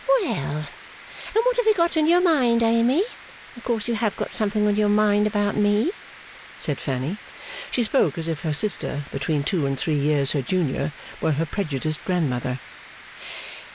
'Well! And what have you got on your mind, Amy? Of course you have got something on your mind about me?' said Fanny. She spoke as if her sister, between two and three years her junior, were her prejudiced grandmother.